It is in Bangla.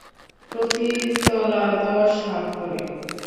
প্রতি তলা দশ হাত করে।